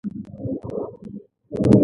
هغه د تیمور په جنګونو کې ورسره ملګری وو.